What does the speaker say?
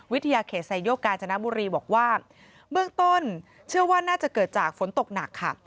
เขตไซโยกกาญจนบุรีบอกว่าเบื้องต้นเชื่อว่าน่าจะเกิดจากฝนตกหนักค่ะ